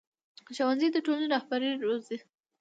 ښوونځی د ټولنې رهبري روزي